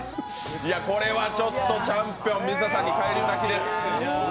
これはチャンピオン、水田さんに返り咲きです。